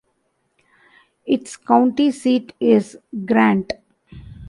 Its county seat is Grant.